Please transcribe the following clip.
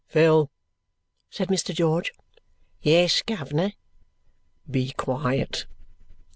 "Phil!" said Mr. George. "Yes, guv'ner." "Be quiet."